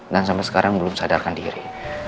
dan sampai sekarang belum sadarkan diri